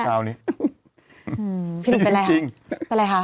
พี่หนูเป็นไรคะ